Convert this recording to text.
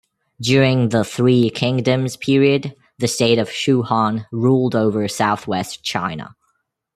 During the Three Kingdoms period, the state of Shu Han ruled over Southwest China.